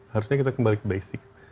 harusnya kita kembali ke basic